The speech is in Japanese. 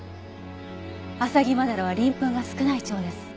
アサギマダラは鱗粉が少ない蝶です。